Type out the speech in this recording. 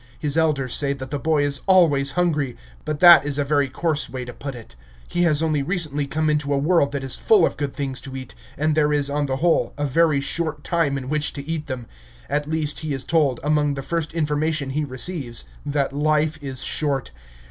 His elders say that the boy is always hungry; but that is a very coarse way to put it. He has only recently come into a world that is full of good things to eat, and there is, on the whole, a very short time in which to eat them; at least, he is told, among the first information he receives, that life is short.